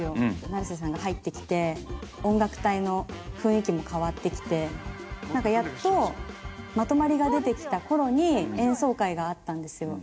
成瀬さんが入ってきて音楽隊の雰囲気も変わってきて何かやっとまとまりが出てきたころに演奏会があったんですよ